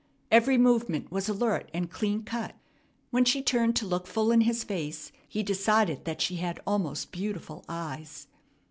Every movement was alert and clean cut. When she turned to look full in his face, he decided that she had almost beautiful eyes.